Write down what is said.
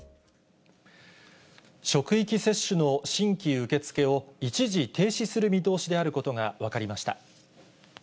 職域接種の新規受け付けを、一時停止する見通しであることが分かりました。